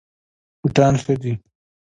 بوټان ښه دي.